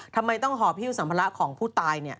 ทำไมต้องหอบฮิ้วสัมภาระของผู้ตาย